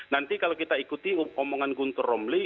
nanti kalau kita ikuti omongan guntur romli